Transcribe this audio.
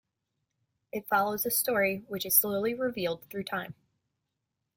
It follows a story which is slowly revealed through time.